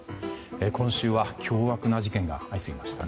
今週は凶悪な事件が相次ぎましたね。